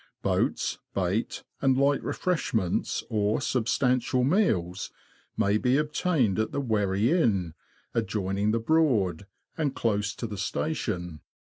Boats, bait, and light refresh ments, or substantial meals, may be obtained at the Wherry Inn, adjoining the Broad, and close to the station.